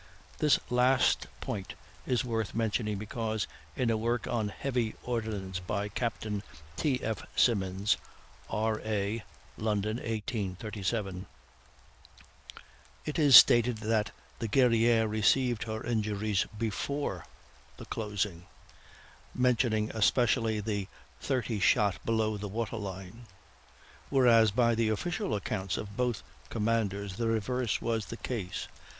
This last point is worth mentioning, because in a work on "Heavy Ordnance," by Captain T. F. Simmons, R. A. (London, 1837), it is stated that the Guerrière received her injuries before the closing, mentioning especially the "thirty shot below the water line"; whereas, by the official accounts of both commanders, the reverse was the case.